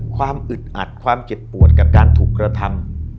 อึดอัดความเจ็บปวดกับการถูกกระทำ